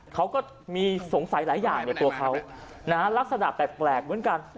เขาก็มีสงสัยหลายอย่างในตัวเขาลักษณะแปลกเหมือนกัน